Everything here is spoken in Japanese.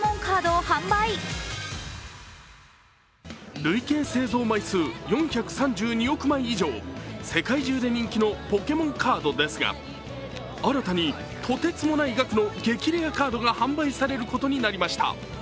累計製造枚数４３２億枚以上、世界中で人気のポケモンカードですが、新たにとてつもない額の激レアカードが販売されることになりました。